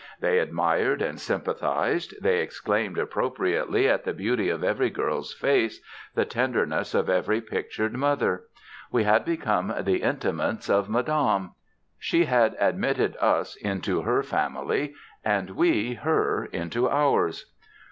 They admired and sympathized; they exclaimed appropriately at the beauty of every girl's face, the tenderness of every pictured mother. We had become the intimates of Madame. She had admitted us into her family and we her into ours.